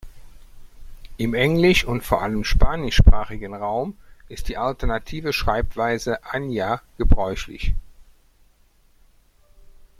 Im englisch- und vor allem spanischsprachigen Raum ist die alternative Schreibweise Anya gebräuchlich.